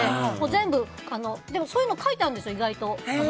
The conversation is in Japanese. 全部、でもそういうの書いてあるんですよ、意外と。